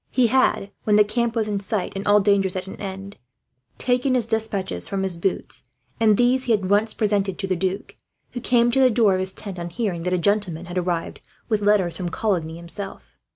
He had, when the camp was in sight and all dangers at an end, taken his despatches from his boots; and these he at once presented to the duke, who came to the door of his tent, on hearing that a gentleman had arrived with letters from Coligny, himself.